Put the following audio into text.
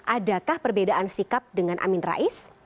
adakah perbedaan sikap dengan amin rais